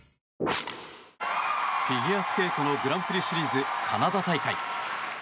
フィギュアスケートのグランプリシリーズカナダ大会。